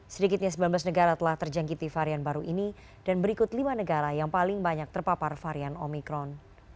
sedikitnya sembilan belas negara telah terjangkiti varian baru ini dan berikut lima negara yang paling banyak terpapar varian omikron